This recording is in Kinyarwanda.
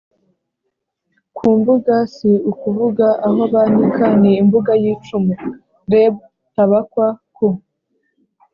ku mbuga: si ukuvuga aho banika , ni imbuga y’ icumu (rebtabakwa )ku